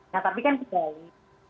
nah tapi kan kembali